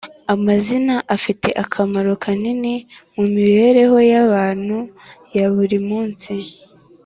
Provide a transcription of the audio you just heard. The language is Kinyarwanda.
amazi afite akamaro kanini mu mibereho y’abantu ya buri munsi.